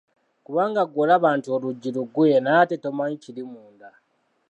Kubanga ggwe olaba nti oluggi luggule naye nga tomanyi kiri munda!